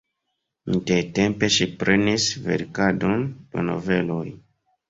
Intertempe ŝi prenis verkadon de noveloj.